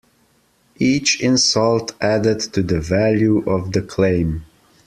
Each insult added to the value of the claim.